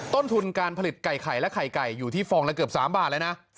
ต้นทุนการผลิตไก่ไข่และไข่ไก่อยู่ที่ฟองละเกือบ๓บาทแล้วนะ